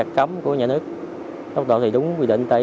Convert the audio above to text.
ký cam kết thực hiện đúng các quy định về